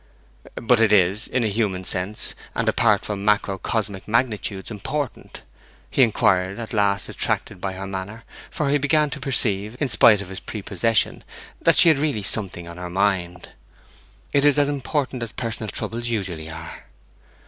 'But is it, in a human sense, and apart from macrocosmic magnitudes, important?' he inquired, at last attracted by her manner; for he began to perceive, in spite of his prepossession, that she had really something on her mind. 'It is as important as personal troubles usually are.'